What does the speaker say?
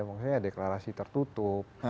mungkin ya deklarasi tertutup